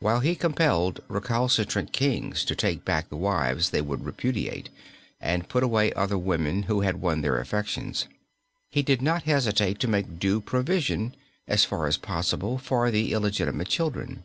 While he compelled recalcitrant kings to take back the wives they would repudiate, and put away other women who had won their affections, he did not hesitate to make due provision as far as possible for the illegitimate children.